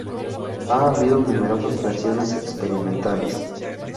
Ha habido numerosas versiones experimentales.